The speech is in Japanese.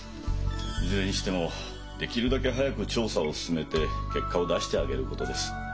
いずれにしてもできるだけ早く調査を進めて結果を出してあげることです。